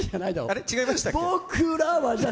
あれ、違いましたっけ。